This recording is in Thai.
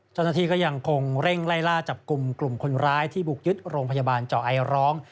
เจ้าหน้าที่ก็ยังคงเร่งไล่ล่าจับกลุ่มกลุ่มคนร้ายที่บุกยึดโรงพยาบาลเจาะไอร้อง